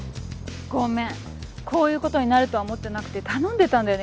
ごめんこういうことになるとは思ってなくて頼んでたんだよね